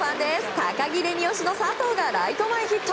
高城れに推しの佐藤がライト前ヒット。